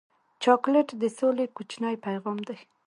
چاکلېټ د سولې کوچنی پیغام دی.